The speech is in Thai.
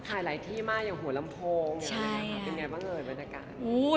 หลายที่มากอย่างหัวลำโพงเป็นไงบ้างเอ่ยบรรยากาศ